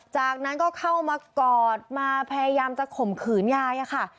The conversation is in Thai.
จากนั้นก็เข้ามากอดมาพยายามจะข่มขืนยายค่ะ